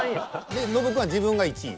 でノブくんは自分が１位。